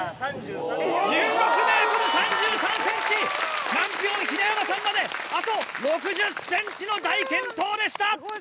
チャンピオン平山さんまであと６０ｃｍの大健闘でした！